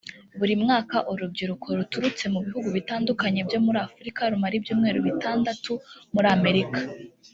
Buri mwaka urubyiruko ruturutse mu bihugu bitandukanye byo muri Afurika rumara ibyumweru bitandatu muri Amerika